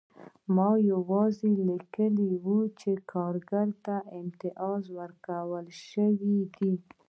ما یوازې لیکلي وو چې کارګر ته امتیاز ورکړل شوی دی